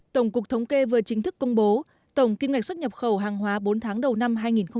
tổng cục thống kê vừa chính thức công bố tổng kim ngạch xuất nhập khẩu hàng hóa bốn tháng đầu năm hai nghìn một mươi chín